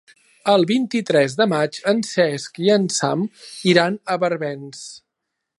El vint-i-tres de maig en Cesc i en Sam iran a Barbens.